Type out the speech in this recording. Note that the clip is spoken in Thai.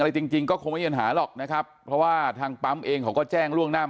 จริงจริงก็คงไม่มีปัญหาหรอกนะครับเพราะว่าทางปั๊มเองเขาก็แจ้งล่วงหน้า